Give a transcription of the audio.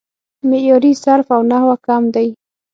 معیاري صرف او نحو کم دی